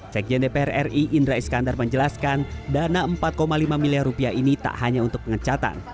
sekjen dpr ri indra iskandar menjelaskan dana empat lima miliar rupiah ini tak hanya untuk pengecatan